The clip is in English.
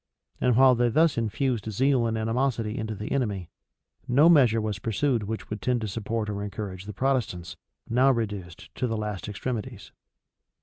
[*] And while they thus infused zeal and animosity into the enemy, no measure was pursued which could tend to support or encourage the Protestants, now reduced to the last extremities.